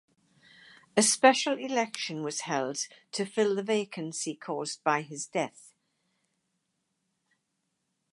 A special election was held to fill the vacancy caused by his death.